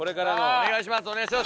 お願いします。